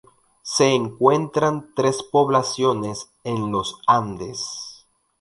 Se encuentran tres poblaciones en los Andes.